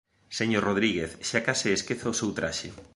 Señor Rodríguez, xa case esquezo o seu traxe.